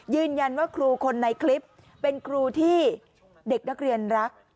ครูคนในคลิปเป็นครูที่เด็กนักเรียนรัก